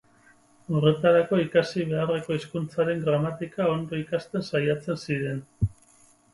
Horretarako ikasi beharreko hizkuntzaren gramatika ondo ikasten saiatzen ziren.